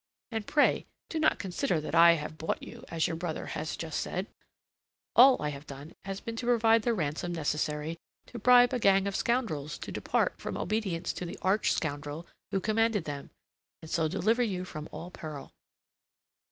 And pray do not consider that I have bought you, as your brother has just said. All that I have done has been to provide the ransom necessary to bribe a gang of scoundrels to depart from obedience to the arch scoundrel who commanded them, and so deliver you from all peril.